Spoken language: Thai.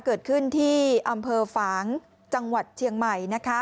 เกิดขึ้นที่อำเภอฝางจังหวัดเชียงใหม่นะคะ